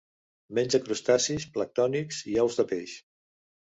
Menja crustacis planctònics i ous de peix.